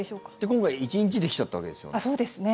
今回１日で来ちゃったわけですよね。